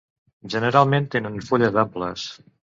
Generalment tenen fulles amples.